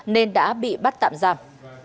nên đã bị bắt tạm giam